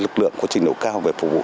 lực lượng của trình độ cao về phục vụ